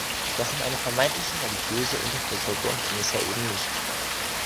Doch um eine vermeintliche religiöse Unterversorgung ging es ja eben nicht.